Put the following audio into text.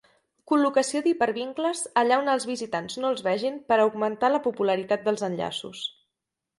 Col·locació d'hipervincles allà on els visitants no els vegin per augmentar la popularitat dels enllaços.